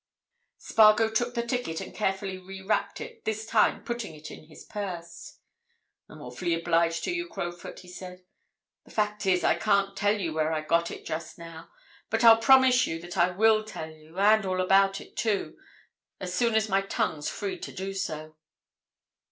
Spargo took the ticket and carefully re wrapped it, this time putting it in his purse. "I'm awfully obliged to you, Crowfoot," he said, "The fact is, I can't tell you where I got it just now, but I'll promise you that I will tell you, and all about it, too, as soon as my tongue's free to do so."